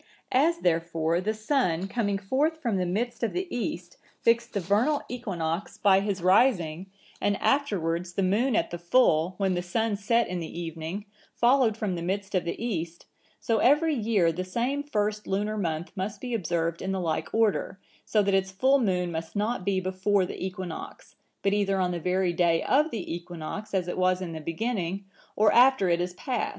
As, therefore, the sun, coming forth from the midst of the east, fixed the vernal equinox by his rising, and afterwards the moon at the full, when the sun set in the evening, followed from the midst of the east; so every year the same first lunar month must be observed in the like order, so that its full moon must not be before the equinox; but either on the very day of the equinox, as it was in the beginning, or after it is past.